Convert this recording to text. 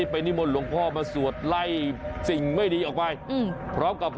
ไปทำอย่างไรล่ะค่ะ